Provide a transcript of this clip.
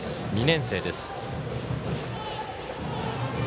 ２年生です。